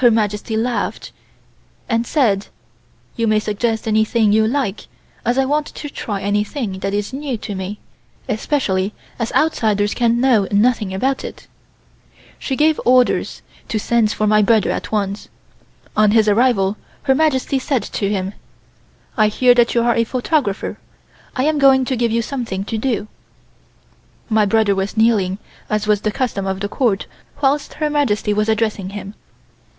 Her Majesty laughed, and said: "You may suggest anything you like, as I want to try anything that is new to me, especially as outsiders can know nothing about it." She gave orders to send for my brother at once. On his arrival Her Majesty said to him: "I hear that you are a photographer. I am going to give you something to do." My brother was kneeling, as was the custom of the Court, whilst Her Majesty was addressing him.